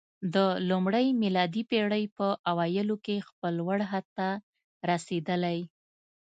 د لومړۍ میلادي پېړۍ په اوایلو کې خپل لوړ حد ته رسېدلی